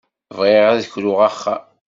Bɣiɣ ad kruɣ axxam.